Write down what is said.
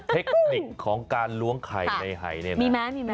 เทคนิคของการล้วงไข่ในไฮเนี่ยนะมีมั้ย